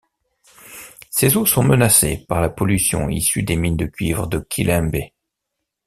Ses eaux sont menacées par la pollution issue des mines de cuivre de Kilembe.